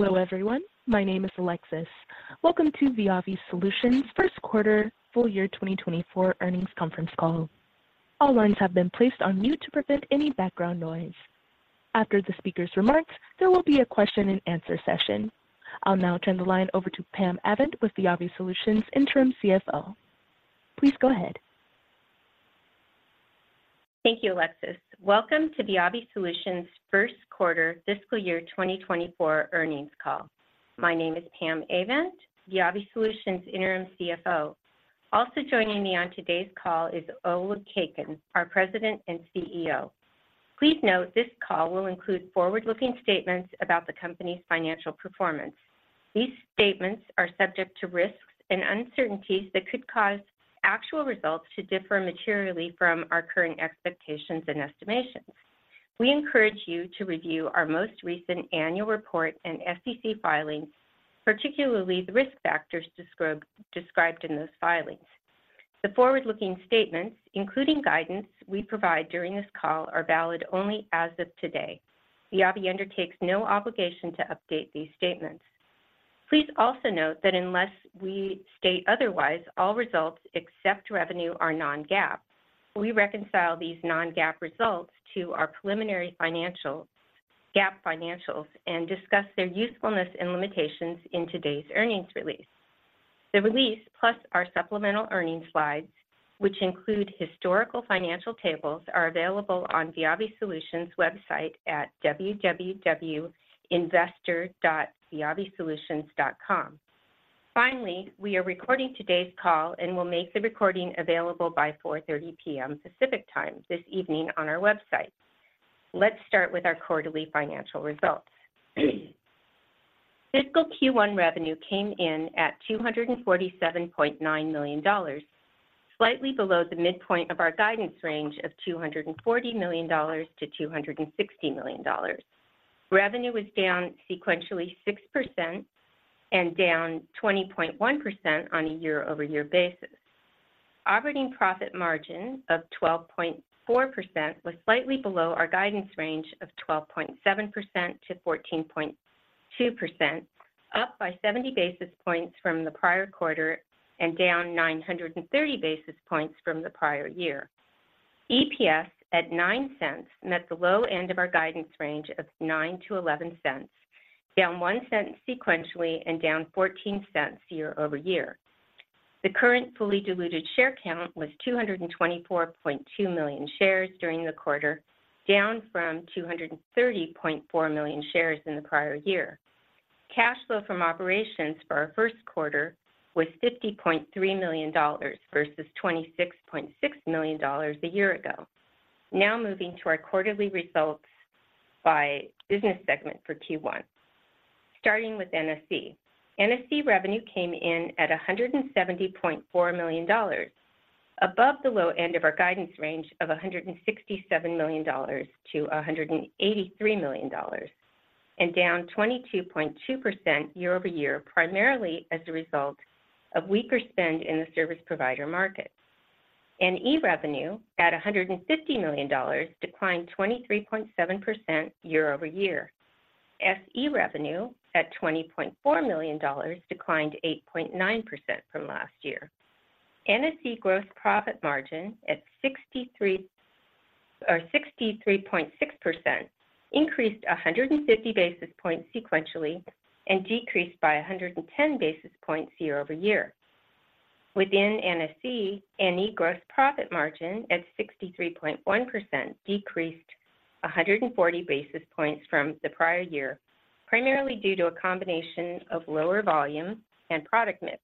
Hello, everyone. My name is Alexis. Welcome to VIAVI Solutions first quarter full year 2024 earnings conference call. All lines have been placed on mute to prevent any background noise. After the speaker's remarks, there will be a question and answer session. I'll now turn the line over to Pam Avent with VIAVI Solutions, Interim CFO. Please go ahead. Thank you, Alexis. Welcome to VIAVI Solutions first quarter fiscal year 2024 earnings call. My name is Pam Avent, VIAVI Solutions Interim CFO. Also joining me on today's call is Oleg Khaykin, our President and CEO. Please note, this call will include forward-looking statements about the company's financial performance. These statements are subject to risks and uncertainties that could cause actual results to differ materially from our current expectations and estimations. We encourage you to review our most recent annual report and SEC filings, particularly the risk factors described in those filings. The forward-looking statements, including guidance we provide during this call, are valid only as of today. VIAVI undertakes no obligation to update these statements. Please also note that unless we state otherwise, all results except revenue are non-GAAP. We reconcile these non-GAAP results to our preliminary financial GAAP financials and discuss their usefulness and limitations in today's earnings release. The release, plus our supplemental earnings slides, which include historical financial tables, are available on VIAVI Solutions website at www.investor.viavisolutions.com. Finally, we are recording today's call and will make the recording available by 4:30 P.M. Pacific Time this evening on our website. Let's start with our quarterly financial results. Fiscal Q1 revenue came in at $247.9 million, slightly below the midpoint of our guidance range of $240 million-$260 million. Revenue was down sequentially 6% and down 20.1% on a year-over-year basis. Operating profit margin of 12.4% was slightly below our guidance range of 12.7%-14.2%, up by 70 basis points from the prior quarter and down 930 basis points from the prior year. EPS at $0.09 met the low end of our guidance range of $0.09-$0.11, down $0.01 sequentially and down $0.14 year-over-year. The current fully diluted share count was 224.2 million shares during the quarter, down from 230.4 million shares in the prior year. Cash flow from operations for our first quarter was $50.3 million versus $26.6 million a year ago. Now moving to our quarterly results by business segment for Q1. Starting with NSE. NSE revenue came in at $170.4 million, above the low end of our guidance range of $167 million-$183 million, and down 22.2% year-over-year, primarily as a result of weaker spend in the service provider market. NE revenue at $150 million declined 23.7% year-over-year. SE revenue at $20.4 million declined 8.9% from last year. NSE gross profit margin at 63 or 63.6% increased 150 basis points sequentially, and decreased by 110 basis points year-over-year. Within NSE, NE gross profit margin at 63.1% decreased 140 basis points from the prior year, primarily due to a combination of lower volume and product mix.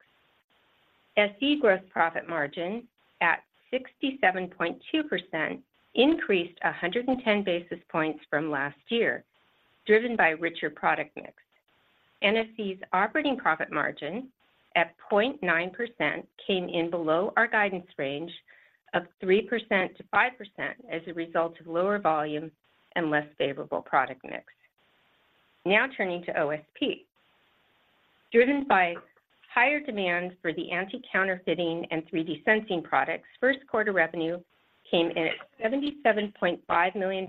SE gross profit margin at 67.2% increased 110 basis points from last year, driven by richer product mix. NSE's operating profit margin at 0.9% came in below our guidance range of 3%-5% as a result of lower volume and less favorable product mix. Now turning to OSP. Driven by higher demand for the Anti-Counterfeiting and 3D Sensing products, first quarter revenue came in at $77.5 million,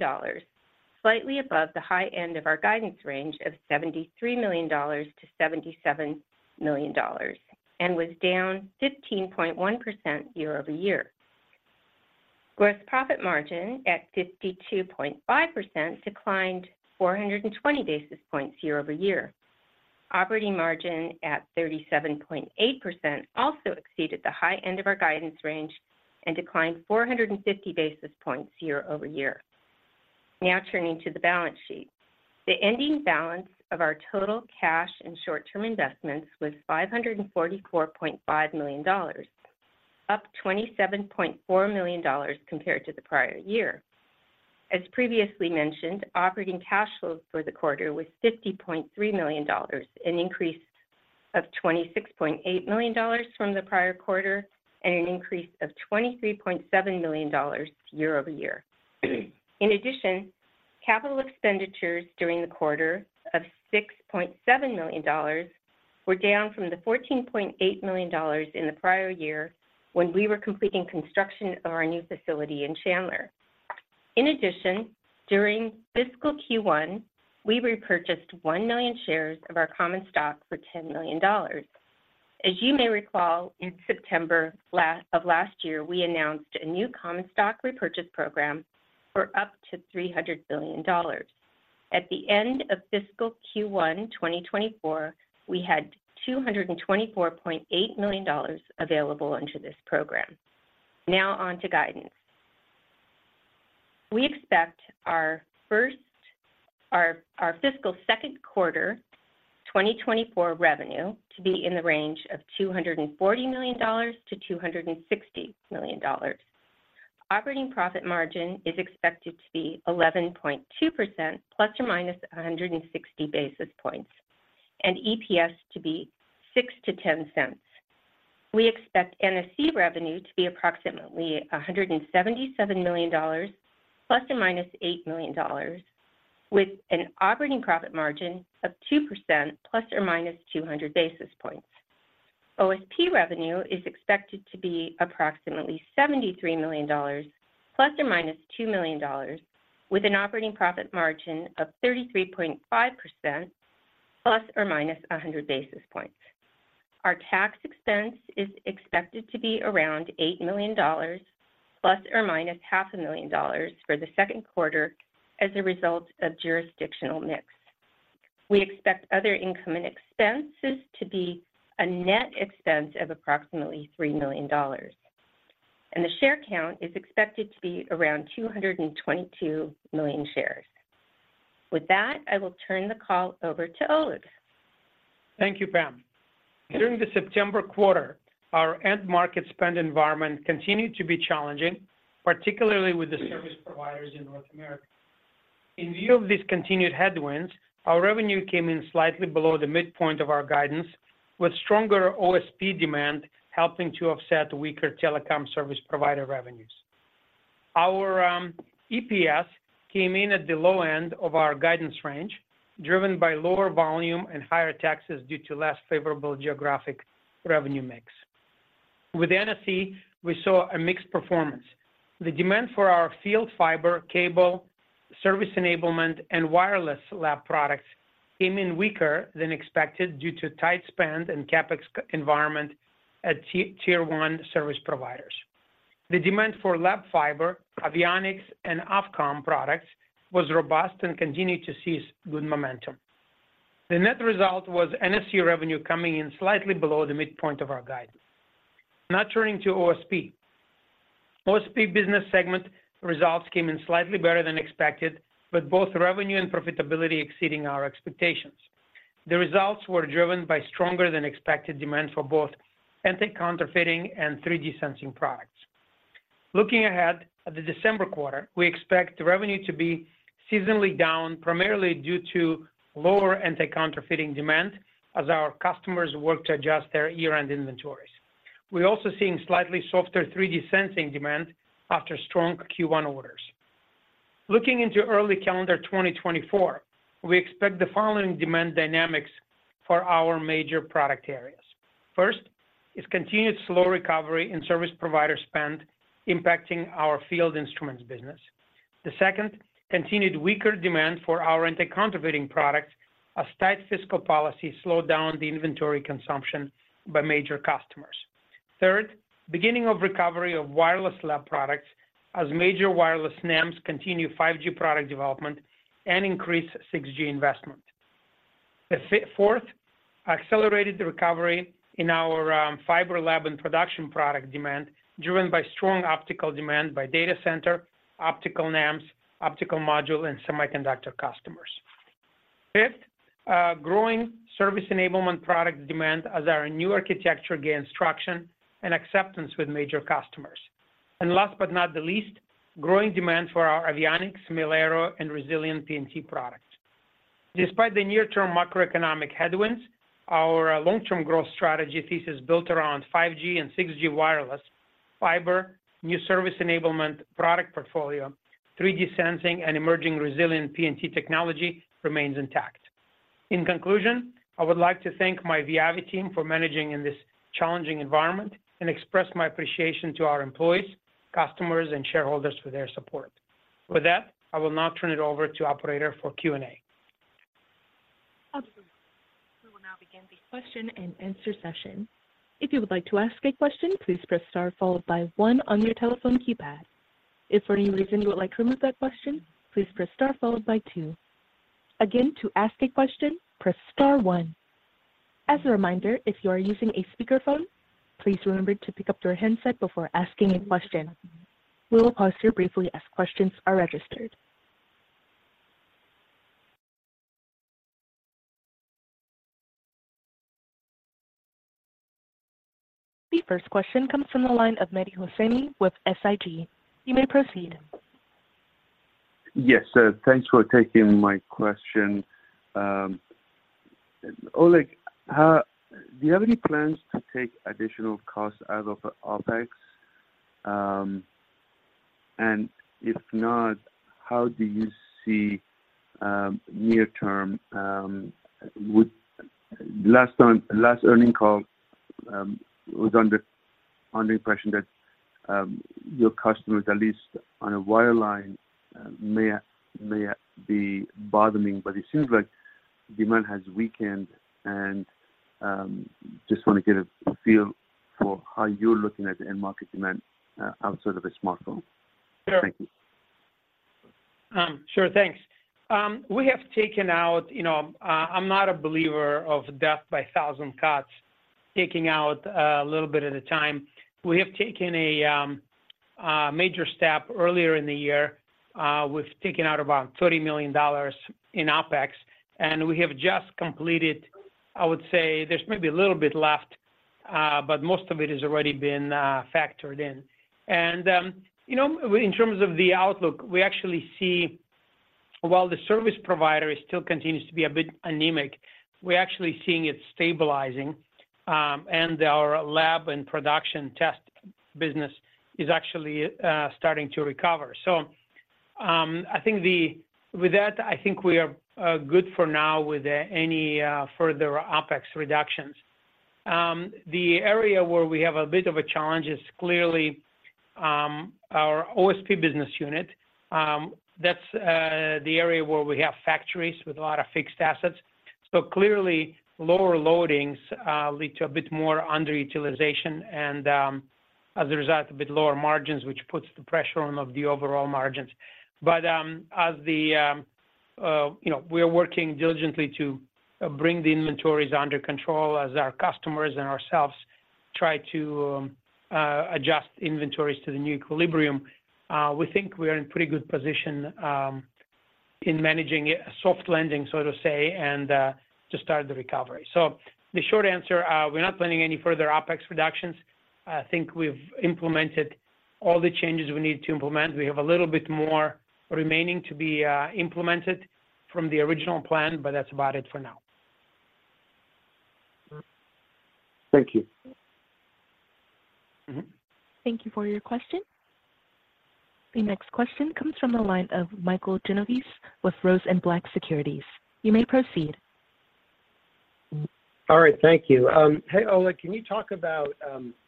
slightly above the high end of our guidance range of $73 million-$77 million and was down 15.1% year-over-year. Gross profit margin at 52.5% declined 420 basis points year-over-year. Operating margin at 37.8% also exceeded the high end of our guidance range and declined 450 basis points year-over-year. Now turning to the balance sheet. The ending balance of our total cash and short-term investments was $544.5 million, up $27.4 million compared to the prior year. As previously mentioned, operating cash flow for the quarter was $50.3 million, an increase of $26.8 million from the prior quarter, and an increase of $23.7 million year-over-year. In addition, capital expenditures during the quarter of $6.7 million were down from the $14.8 million in the prior year when we were completing construction of our new facility in Chandler. In addition, during fiscal Q1, we repurchased 1 million shares of our common stock for $10 million. As you may recall, in September of last year, we announced a new common stock repurchase program for up to $300 million. At the end of fiscal Q1 2024, we had $224.8 million available under this program. Now on to guidance. We expect our fiscal second quarter 2024 revenue to be in the range of $240 million-$260 million. Operating profit margin is expected to be 11.2% ±160 basis points, and EPS to be $0.06-$0.10. We expect NSE revenue to be approximately $177 million ±$8 million, with an operating profit margin of 2% ±200 basis points. OSP revenue is expected to be approximately $73 million ± $2 million, with an operating profit margin of 33.5% ± 100 basis points. Our tax expense is expected to be around $8 million ± $0.5 million for the second quarter as a result of jurisdictional mix. We expect other income and expenses to be a net expense of approximately $3 million, and the share count is expected to be around 222 million shares. With that, I will turn the call over to Oleg. Thank you, Pam. During the September quarter, our end market spend environment continued to be challenging, particularly with the service providers in North America. In view of these continued headwinds, our revenue came in slightly below the midpoint of our guidance, with stronger OSP demand helping to offset weaker telecom service provider revenues. Our EPS came in at the low end of our guidance range, driven by lower volume and higher taxes due to less favorable geographic revenue mix. With NSE, we saw a mixed performance. The demand for our Field Fiber, Cable, Service Enablement, and Wireless Lab Products came in weaker than expected due to tight spend and CapEx environment at Tier 1 service providers. The demand for Lab Fiber, Avionics, and Off-com products was robust and continued to see good momentum. The net result was NSE revenue coming in slightly below the midpoint of our guidance. Now turning to OSP. OSP business segment results came in slightly better than expected, with both revenue and profitability exceeding our expectations. The results were driven by stronger than expected demand for both Anti-Counterfeiting and 3D Sensing products. Looking ahead at the December quarter, we expect the revenue to be seasonally down, primarily due to lower Anti-Counterfeiting demand as our customers work to adjust their year-end inventories. We're also seeing slightly softer 3D Sensing demand after strong Q1 orders. Looking into early calendar 2024, we expect the following demand dynamics for our major product areas. First, is continued slow recovery in service provider spend impacting our field instruments business. The second, continued weaker demand for our Anti-Counterfeiting products as tight fiscal policy slowed down the inventory consumption by major customers. Third, beginning of recovery of Wireless Lab products as major wireless NEMs continue 5G product development and increase 6G investment. Fourth, accelerated recovery in our Fiber Lab and Production Product demand, driven by strong optical demand by data center, optical NEMs, optical module, and semiconductor customers. Fifth, growing service enablement product demand as our new architecture gains traction and acceptance with major customers. And last but not the least, growing demand for our Avionics, Mil-Aero, and Resilient PNT products. Despite the near-term macroeconomic headwinds, our long-term growth strategy thesis built around 5G and 6G Wireless, Fiber, New Service Enablement, product portfolio, 3D Sensing, and Emerging Resilient PNT technology remains intact. In conclusion, I would like to thank my VIAVI team for managing in this challenging environment and express my appreciation to our employees, customers, and shareholders for their support. With that, I will now turn it over to operator for Q&A. We will now begin the question-and-answer session. If you would like to ask a question, please press star followed by one on your telephone keypad. If for any reason you would like to remove that question, please press star followed by two. Again, to ask a question, press star one. As a reminder, if you are using a speakerphone, please remember to pick up your handset before asking a question. We will pause here briefly as questions are registered. The first question comes from the line of Mehdi Hosseini with SIG. You may proceed. Yes, so thanks for taking my question. Oleg, do you have any plans to take additional costs out of OpEx? And if not, how do you see near term... With last time, last earnings call?... was under, under impression that your customers, at least on a wireline, may, may be bottoming, but it seems like demand has weakened. Just want to get a feel for how you're looking at the end market demand outside of a smartphone. Thank you. Sure. Thanks. We have taken out, you know, I'm not a believer of death by a thousand cuts, taking out a little bit at a time. We have taken a major step earlier in the year, we've taken out about $30 million in OpEx, and we have just completed, I would say there's maybe a little bit left, but most of it has already been factored in. And, you know, in terms of the outlook, we actually see, while the service provider is still continues to be a bit anemic, we're actually seeing it stabilizing, and our Lab and Production test business is actually starting to recover. So, I think, with that, I think we are good for now with any further OpEx reductions. The area where we have a bit of a challenge is clearly our OSP business unit. That's the area where we have factories with a lot of fixed assets. So clearly, lower loadings lead to a bit more underutilization and, as a result, a bit lower margins, which puts the pressure on of the overall margins. But, as the, you know, we are working diligently to bring the inventories under control as our customers and ourselves try to adjust inventories to the new equilibrium. We think we are in pretty good position in managing a soft landing, so to say, and to start the recovery. So the short answer, we're not planning any further OpEx reductions. I think we've implemented all the changes we need to implement. We have a little bit more remaining to be implemented from the original plan, but that's about it for now. Thank you. Mm-hmm. Thank you for your question. The next question comes from the line of Michael Genovese with Rosenblatt Securities. You may proceed. All right. Thank you. Hey, Oleg, can you talk about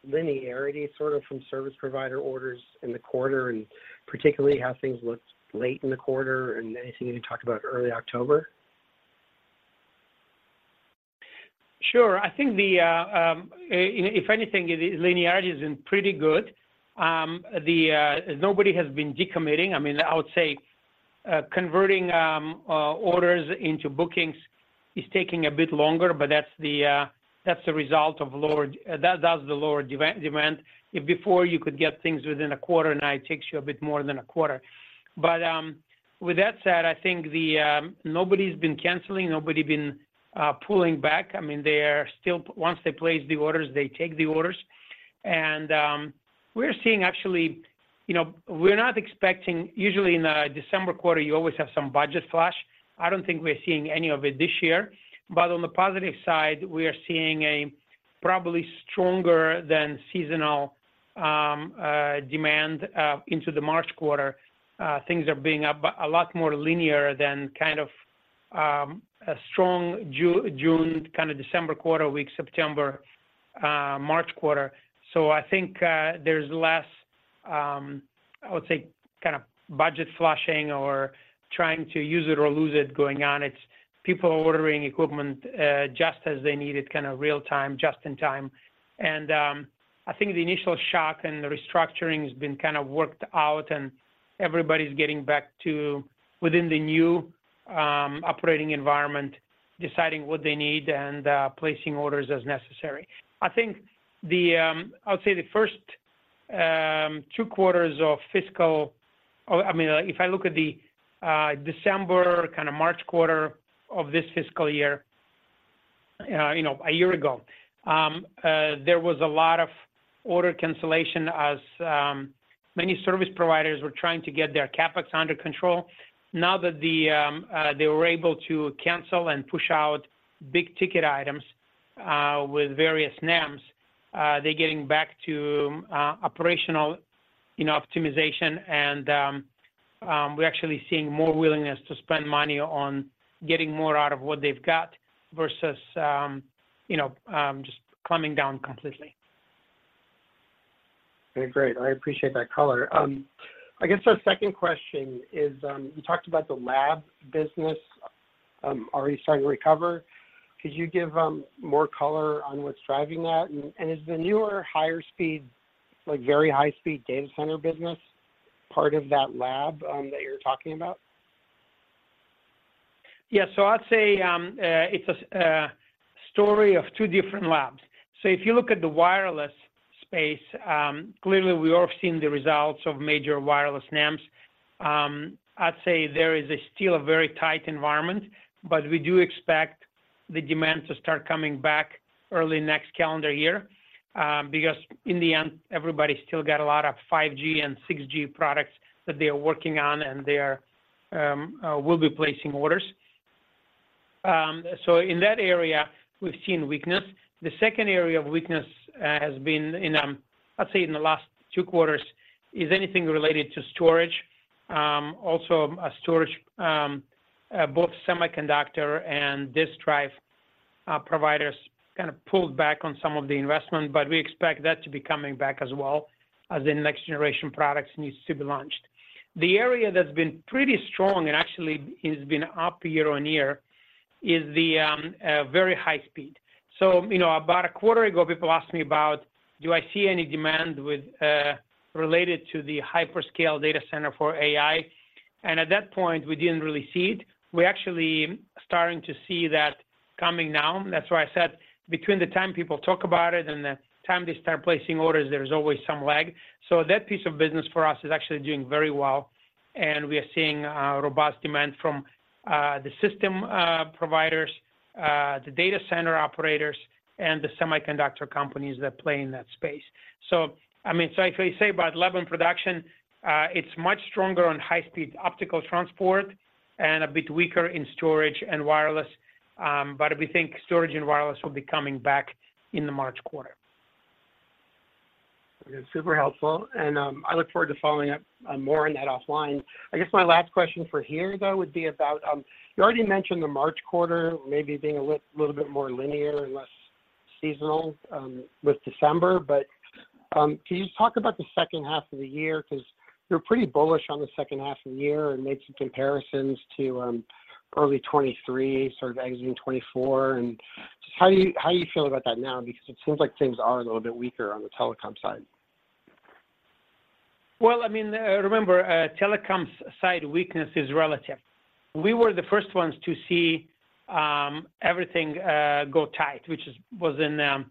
linearity sort of from service provider orders in the quarter, and particularly how things looked late in the quarter, and anything you can talk about early October? Sure. I think the, you know, if anything, the linearity has been pretty good. The, nobody has been decommitting. I mean, I would say, converting orders into bookings is taking a bit longer, but that's the, that's the result of lower... That, that's the lower demand. If before you could get things within a quarter, now it takes you a bit more than a quarter. But, with that said, I think the, nobody's been canceling, nobody been pulling back. I mean, they are still, once they place the orders, they take the orders. And, we're seeing actually, you know, we're not expecting-- usually in the December quarter, you always have some budget flush. I don't think we're seeing any of it this year, but on the positive side, we are seeing a probably stronger than seasonal demand into the March quarter. Things are being a lot more linear than kind of a strong June, kind of December quarter, weak September, March quarter. So I think there's less, I would say, kind of budget flushing or trying to use it or lose it going on. It's people ordering equipment just as they need it, kind of real time, just in time. And I think the initial shock and the restructuring has been kind of worked out, and everybody's getting back to within the new operating environment, deciding what they need and placing orders as necessary. I think the, I would say the first two quarters of fiscal, I mean, if I look at the December, kind of March quarter of this fiscal year, you know, a year ago, there was a lot of order cancellation as many service providers were trying to get their CapEx under control. Now that they were able to cancel and push out big-ticket items with various NEMs, they're getting back to operational, you know, optimization, and we're actually seeing more willingness to spend money on getting more out of what they've got versus, you know, just climbing down completely. Okay, great. I appreciate that color. I guess my second question is, you talked about the lab business, already starting to recover. Could you give, more color on what's driving that? And, is the newer, higher speed, like very high-speed data center business, part of that lab, that you're talking about? Yeah. So I'd say it's a story of two different labs. So if you look at the wireless space, clearly, we've all seen the results of major wireless NEMs. I'd say there is still a very tight environment, but we do expect the demand to start coming back early next calendar year, because in the end, everybody's still got a lot of 5G and 6G products that they are working on, and they will be placing orders. So in that area, we've seen weakness. The second area of weakness has been in, I'd say in the last two quarters, is anything related to storage. Also, storage, both semiconductor and disk drive providers kind of pulled back on some of the investment, but we expect that to be coming back as well as the next generation products needs to be launched. The area that's been pretty strong and actually has been up year-on-year is the very high speed. So, you know, about a quarter ago, people asked me about, do I see any demand with related to the hyperscale data center for AI? And at that point, we didn't really see it. We're actually starting to see that coming now. That's why I said, between the time people talk about it and the time they start placing orders, there's always some lag. So that piece of business for us is actually doing very well, and we are seeing robust demand from the system providers, the data center operators, and the semiconductor companies that play in that space. So, I mean, so if we say about level production, it's much stronger on high-speed optical transport and a bit weaker in storage and wireless, but we think storage and wireless will be coming back in the March quarter. Super helpful, and I look forward to following up more on that offline. I guess my last question for here, though, would be about you already mentioned the March quarter maybe being a little bit more linear and less seasonal with December. But can you just talk about the second half of the year? Because you're pretty bullish on the second half of the year and made some comparisons to early 2023, sort of exiting 2024. And just how do you feel about that now? Because it seems like things are a little bit weaker on the telecom side. Well, I mean, remember, telecoms side weakness is relative. We were the first ones to see everything go tight, which was in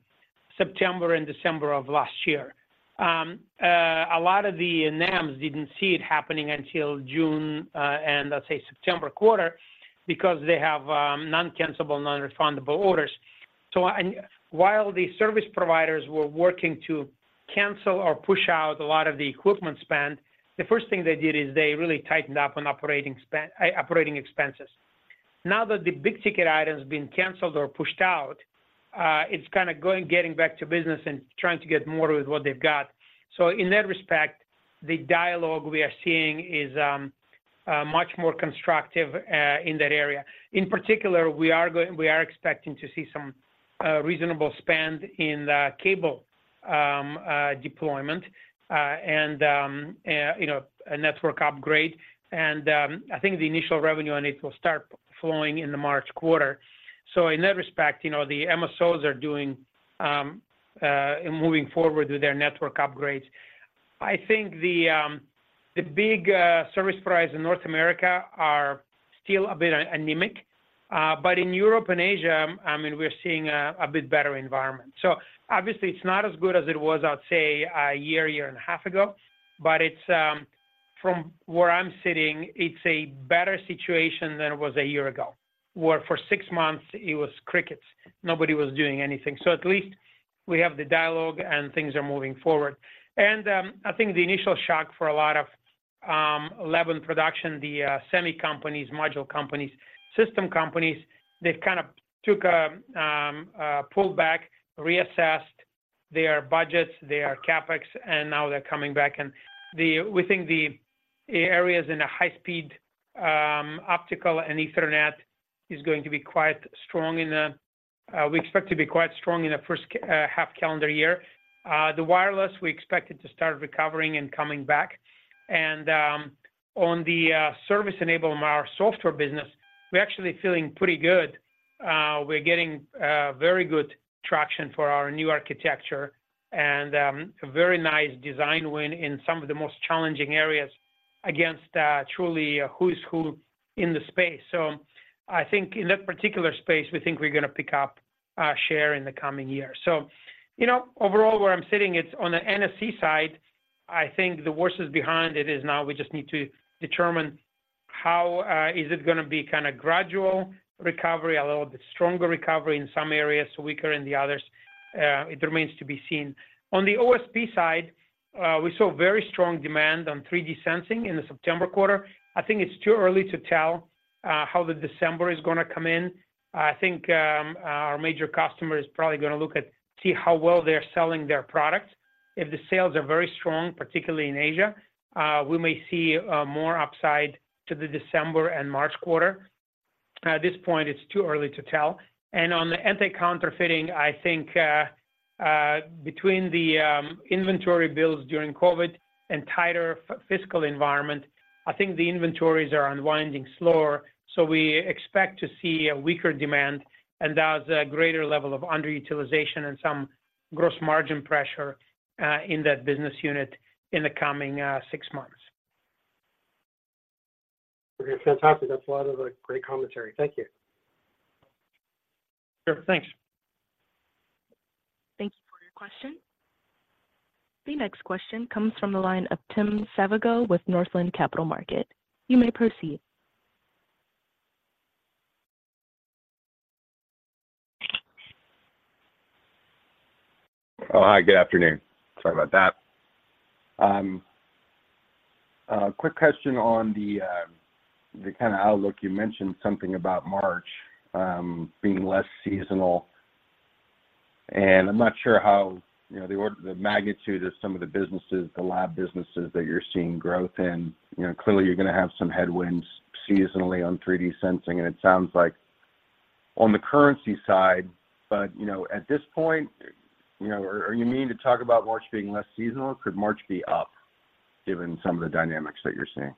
September and December of last year. A lot of the NEMs didn't see it happening until June, and let's say September quarter, because they have non-cancelable, non-refundable orders. So while the service providers were working to cancel or push out a lot of the equipment spend, the first thing they did is they really tightened up on operating expenses. Now that the big ticket item has been canceled or pushed out, it's kinda going, getting back to business and trying to get more with what they've got. So in that respect, the dialogue we are seeing is much more constructive in that area. In particular, we are going... We are expecting to see some reasonable spend in the cable deployment, and you know, a network upgrade, and I think the initial revenue on it will start flowing in the March quarter. So in that respect, you know, the MSOs are doing moving forward with their network upgrades. I think the big service providers in North America are still a bit anemic, but in Europe and Asia, I mean, we're seeing a bit better environment. So obviously, it's not as good as it was, I'd say, a year, year and a half ago, but it's from where I'm sitting, it's a better situation than it was a year ago, where for six months it was crickets. Nobody was doing anything. So at least we have the dialogue and things are moving forward. And, I think the initial shock for a lot of level production, the semi companies, module companies, system companies, they kind of took a pulled back, reassessed their budgets, their CapEx, and now they're coming back. We think the areas in a High Speed Optical and Ethernet is going to be quite strong in the. We expect to be quite strong in the first half calendar year. The Wireless, we expect it to start recovering and coming back. And, on the Service Enablement, our software business, we're actually feeling pretty good. We're getting very good traction for our new architecture and a very nice design win in some of the most challenging areas against truly who is who in the space. So I think in that particular space, we think we're gonna pick up share in the coming year. So, you know, overall, where I'm sitting, it's on the NFC side, I think the worst is behind. It is now we just need to determine how is it gonna be kind of gradual recovery, a little bit stronger recovery in some areas, weaker in the others? It remains to be seen. On the OSP side, we saw very strong demand on 3D Sensing in the September quarter. I think it's too early to tell how the December is gonna come in. I think our major customer is probably gonna look at, see how well they're selling their product. If the sales are very strong, particularly in Asia, we may see more upside to the December and March quarter. At this point, it's too early to tell. On the Anti-Counterfeiting, I think, between the inventory builds during COVID and tighter fiscal environment, I think the inventories are unwinding slower, so we expect to see a weaker demand and thus a greater level of underutilization and some gross margin pressure in that business unit in the coming six months. Okay, fantastic. That's a lot of great commentary. Thank you. Sure. Thanks. Thank you for your question. The next question comes from the line of Tim Savageaux with Northland Capital Markets. You may proceed. Oh, hi, good afternoon. Sorry about that. Quick question on the kind of outlook. You mentioned something about March being less seasonal. And I'm not sure how, you know, the order, the magnitude of some of the businesses, the Lab businesses that you're seeing growth in. You know, clearly you're gonna have some headwinds seasonally on 3D Sensing, and it sounds like on the currency side, but, you know, at this point, you know, are you meaning to talk about March being less seasonal? Could March be up, given some of the dynamics that you're seeing?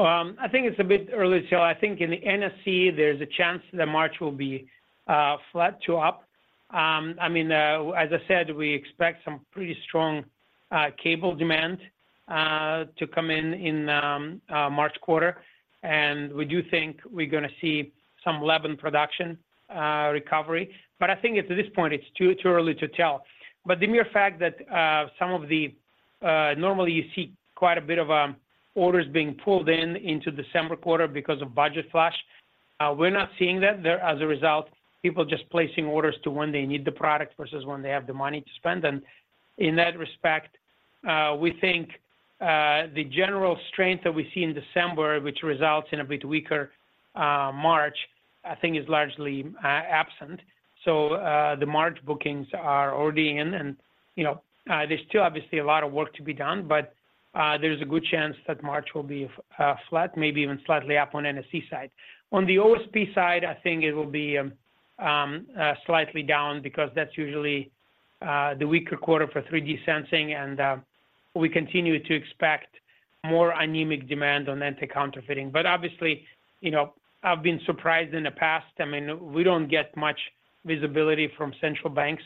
I think it's a bit early to tell. I think in the NSE, there's a chance that March will be flat to up. I mean, as I said, we expect some pretty strong cable demand to come in March quarter, and we do think we're gonna see some Lab and Production recovery. But I think at this point, it's too early to tell. But the mere fact that some of the... Normally you see quite a bit of orders being pulled in into December quarter because of budget flush. We're not seeing that. As a result, people just placing orders to when they need the product versus when they have the money to spend. In that respect, we think the general strength that we see in December, which results in a bit weaker March, I think is largely absent. So, the March bookings are already in and, you know, there's still obviously a lot of work to be done, but there's a good chance that March will be flat, maybe even slightly up on the NSE side. On the OSP side, I think it will be slightly down because that's usually the weaker quarter for 3D Sensing, and we continue to expect more anemic demand on Anti-Counterfeiting. But obviously, you know, I've been surprised in the past. I mean, we don't get much visibility from central banks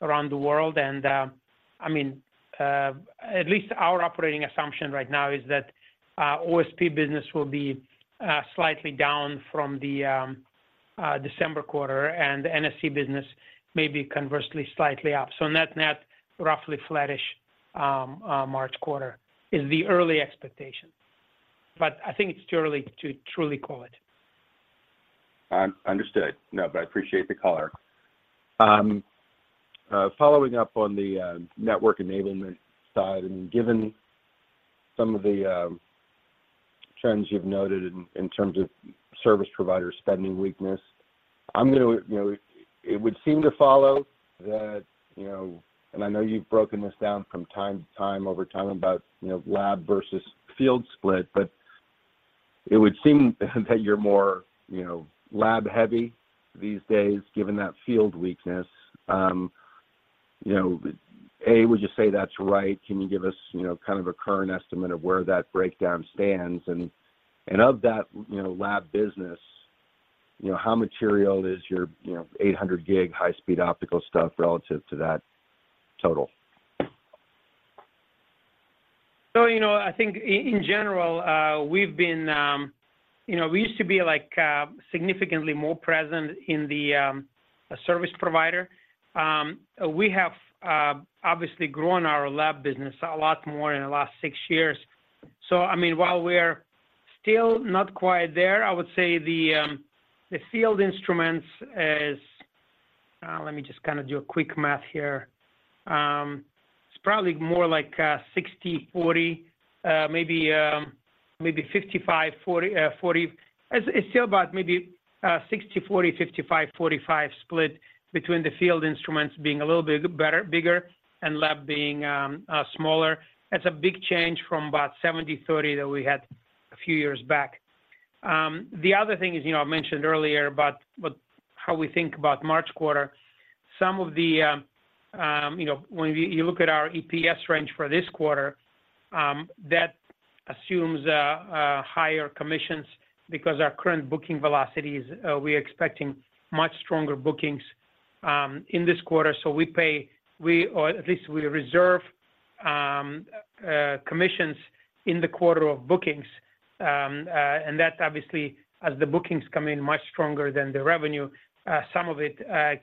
around the world, and, I mean, at least our operating assumption right now is that our OSP business will be slightly down from the December quarter, and the NSE business may be conversely slightly up. So net-net, roughly flattish, March quarter is the early expectation. But I think it's too early to truly call it. Understood. No, but I appreciate the color. Following up on the Network Enablement side, and given some of the trends you've noted in terms of service provider spending weakness, I'm gonna, you know, it would seem to follow that, you know, and I know you've broken this down from time to time over time about, you know, Lab versus Field split, but it would seem that you're more, you know, Lab-heavy these days given that Field weakness. You know, would you say that's right? Can you give us, you know, kind of a current estimate of where that breakdown stands? And of that, you know, Lab business, you know, how material is your, you know, 800G high-speed optical stuff relative to that total? So, you know, I think in general, we've been. You know, we used to be, like, significantly more present in the service provider. We have obviously grown our Lab business a lot more in the last 6 years. So I mean, while we're still not quite there, I would say the Field instruments is, let me just kind of do a quick math here. It's probably more like 60/40, maybe 55, 40, 40. It's still about maybe 60/40, 55/45 split between the Field instruments being a little bit better, bigger, and Lab being smaller. That's a big change from about 70/30 that we had a few years back. The other thing is, you know, I mentioned earlier about what, how we think about March quarter. Some of the, you know, when you look at our EPS range for this quarter, that assumes higher commissions because our current booking velocity is, we're expecting much stronger bookings in this quarter, so we pay, or at least we reserve commissions in the quarter of bookings. And that's obviously as the bookings come in much stronger than the revenue, some of it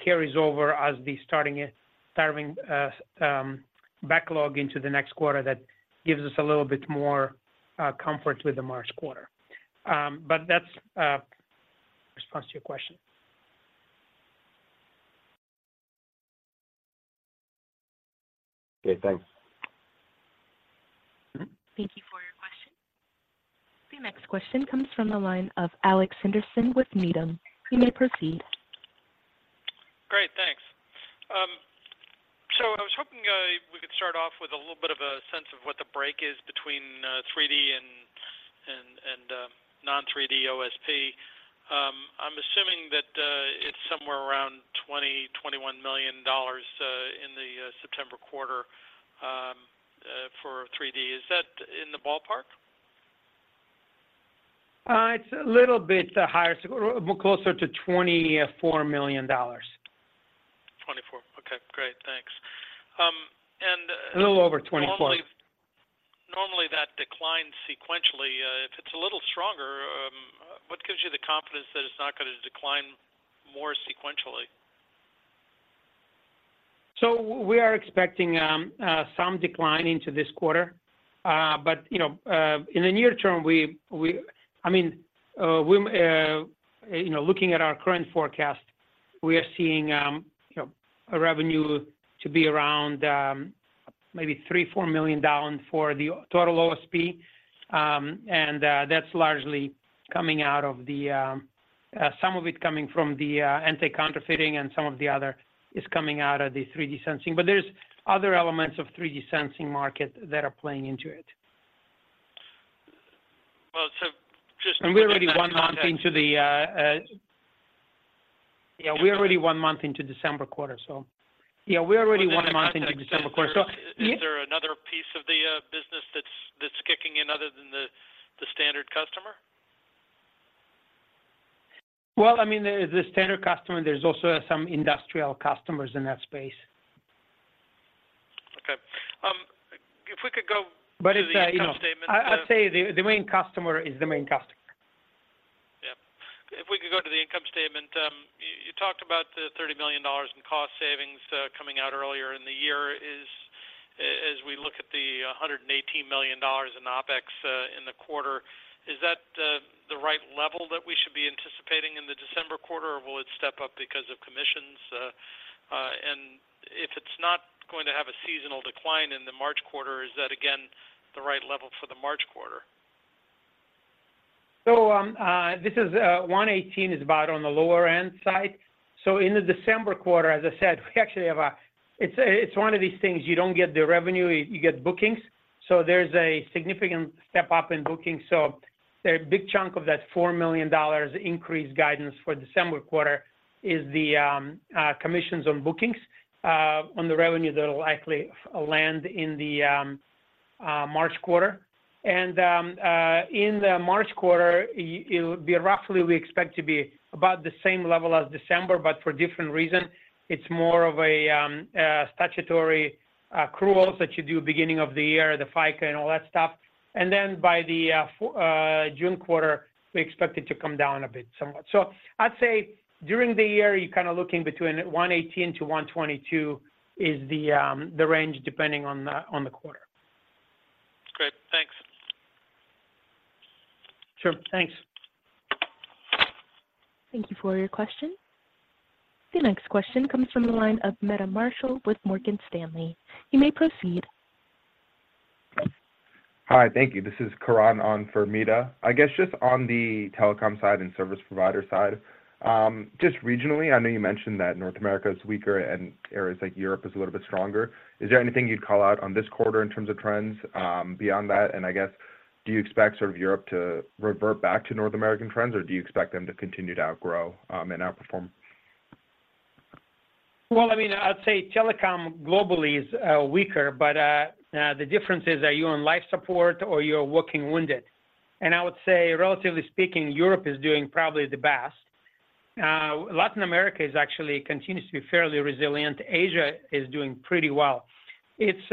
carries over as the starting backlog into the next quarter. That gives us a little bit more comfort with the March quarter. But that's response to your question. Okay, thanks. Thank you for your question. The next question comes from the line of Alex Henderson with Needham. You may proceed. Great, thanks. So I was hoping we could start off with a little bit of a sense of what the break is between 3D and non-3D OSP. I'm assuming that it's somewhere around $20 million-$21 million in the September quarter for 3D. Is that in the ballpark? It's a little bit higher, so closer to $24 million. $24 million. Okay, great. Thanks, and- A little over $24 million. Normally, that declines sequentially. If it's a little stronger, what gives you the confidence that it's not gonna decline more sequentially? So we are expecting some decline into this quarter. But, you know, in the near term, I mean, you know, looking at our current forecast, we are seeing, you know, a revenue to be around maybe $3 million-$4 million down for the total OSP, and that's largely coming out of the some of it coming from the Anti-Counterfeiting, and some of the other is coming out of the 3D Sensing. But there's other elements of 3D Sensing market that are playing into it. Well, so just- And we're already one month into the, yeah, we're already one month into December quarter, so yeah, we're already one month into December quarter, so- Is there another piece of the business that's kicking in other than the standard customer? Well, I mean, there is the standard customer. There's also some industrial customers in that space. Okay. If we could go- But it's, you know- The income statement. I'd say the main customer is the main customer. Yep. If we could go to the income statement, you talked about the $30 million in cost savings, coming out earlier in the year. Is, as we look at the $118 million in OpEx, in the quarter, is that the right level that we should be anticipating in the December quarter, or will it step up because of commissions? And if it's not going to have a seasonal decline in the March quarter, is that again, the right level for the March quarter? So, this is, $118 million is about on the lower end side. So in the December quarter, as I said, we actually have a... It's one of these things, you don't get the revenue, you get bookings. So there's a significant step up in bookings. So a big chunk of that $4 million increased guidance for December quarter is the, commissions on bookings, on the revenue that'll likely land in the, March quarter. And, in the March quarter, it would be roughly, we expect to be about the same level as December, but for different reasons. It's more of a, statutory, accrual that you do beginning of the year, the FICA and all that stuff. And then by the, June quarter, we expect it to come down a bit, somewhat. I'd say during the year, you're kinda looking between $118 million-$122 million is the range depending on the quarter. Great. Thanks. Sure. Thanks. Thank you for your question. The next question comes from the line of Meta Marshall with Morgan Stanley. You may proceed. Hi, thank you. This is Karan on for Meta. I guess, just on the telecom side and service provider side, just regionally, I know you mentioned that North America is weaker and areas like Europe is a little bit stronger. Is there anything you'd call out on this quarter in terms of trends, beyond that? And I guess, do you expect sort of Europe to revert back to North American trends, or do you expect them to continue to outgrow, and outperform? Well, I mean, I'd say telecom globally is weaker, but the difference is, are you on life support or you're walking wounded? And I would say, relatively speaking, Europe is doing probably the best. Latin America is actually continues to be fairly resilient. Asia is doing pretty well. It's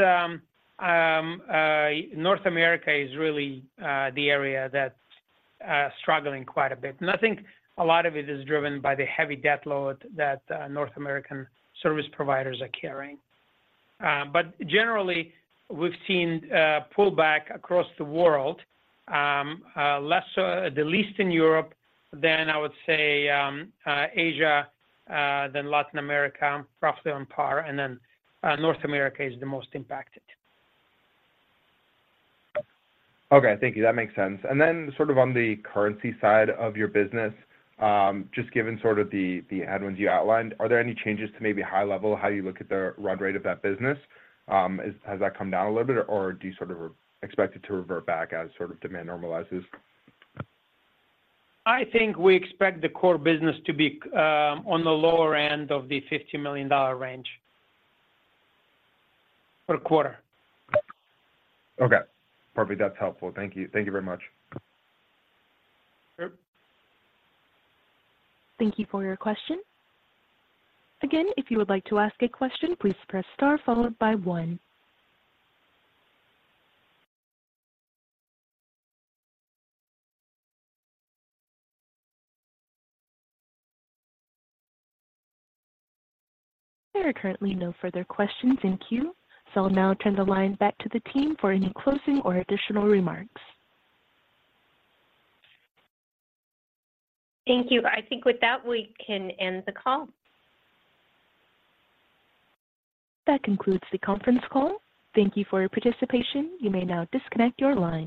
North America is really the area that's struggling quite a bit. And I think a lot of it is driven by the heavy debt load that North American service providers are carrying. But generally, we've seen a pullback across the world, less the least in Europe than I would say Asia, then Latin America, roughly on par, and then North America is the most impacted. Okay, thank you. That makes sense. And then sort of on the currency side of your business, just given sort of the headwinds you outlined, are there any changes to maybe high level, how you look at the run rate of that business? Has that come down a little bit, or do you sort of expect it to revert back as sort of demand normalizes? I think we expect the core business to be on the lower end of the $50 million range for the quarter. Okay, perfect. That's helpful. Thank you. Thank you very much. Sure. Thank you for your question. Again, if you would like to ask a question, please press star followed by one. There are currently no further questions in queue, so I'll now turn the line back to the team for any closing or additional remarks. Thank you. I think with that, we can end the call. That concludes the conference call. Thank you for your participation. You may now disconnect your line.